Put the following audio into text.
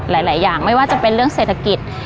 หลายอย่างไม่ว่าจะเป็นเรื่องเศรษฐกิจ